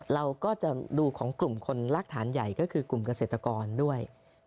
เราก็จะดูของกลุ่มคนรักฐานใหญ่ก็คือกลุ่มเกษตรกรด้วย